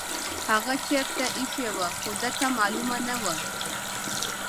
هغه چیرته ایښې وه خو ده ته معلومه نه وه.